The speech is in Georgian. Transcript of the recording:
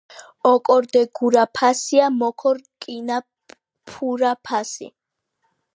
ლჷბ ოკო რდე გურაფასია მუქო რკინა ფურაფასი